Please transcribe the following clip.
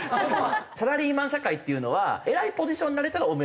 サラリーマン社会っていうのは偉いポジションになれたらおめでとう。